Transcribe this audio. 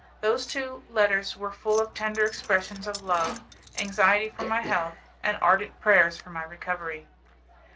Those two letter were full of tender expressions of love, anxiety for my health, and ardent prayers for my recovery.